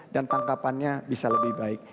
dan tangkapannya bisa lebih baik